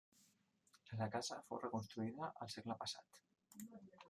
La casa fou reconstruïda el segle passat.